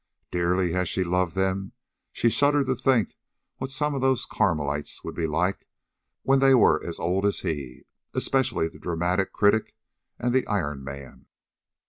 Dearly as she loved them, she shuddered to think what some of those Carmelites would be like when they were as old as he especially the dramatic critic and the Iron Man.